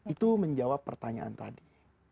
itu menjawab pertanyaan tadi